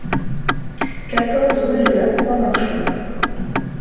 quatorze rue de la Croix Marchon